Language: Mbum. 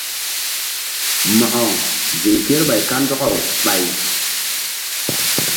Mo̧ko ziŋ kerɓay kandɔkaw ɓay.